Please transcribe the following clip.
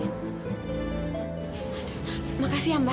aduh makasih ya mbak